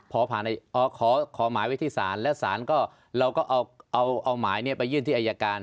ขอหมายไว้ที่ศาลและสารก็เราก็เอาหมายไปยื่นที่อายการ